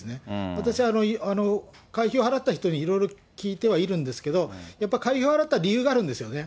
私、会費を払った人にいろいろ聞いてはいるんですけど、やっぱ会費を払った理由があるんですよね。